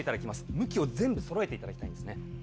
向きを全部そろえていただきたいんですね。